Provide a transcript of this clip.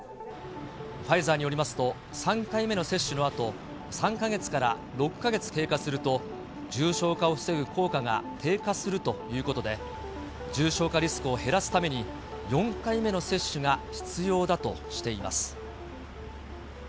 ファイザーによりますと、３回目の接種のあと、３か月から６か月経過すると、重症化を防ぐ効果が低下するということで、重症化リスクを減らすために、４回目の接種が必要だとしています。